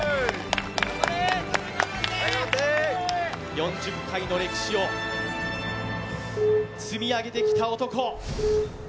４０回の歴史を積み上げてきた男。